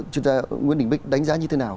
chuyên gia nguyễn đình bích đánh giá như thế nào